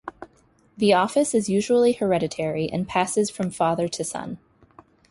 The office is usually hereditary and passes from father to son.